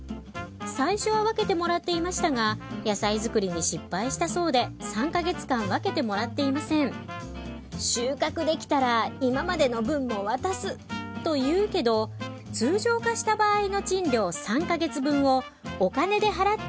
最初は分けてもらっていましたが野菜作りに失敗したそうで３か月間分けてもらっていませんと言うけど通常貸した場合の賃料３か月分をお金で払ってもらえないの？